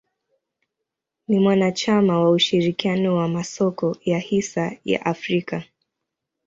Ni mwanachama wa ushirikiano wa masoko ya hisa ya Afrika.